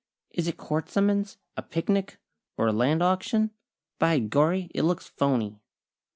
"Is it court summons, a picnic, or a land auction? By gorry, it looks phony!"